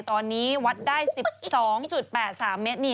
ตอนนี้วัดได้๑๒๘๓เมตร